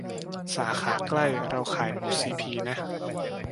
สาขาใกล้เราขายหมูซีพีนะ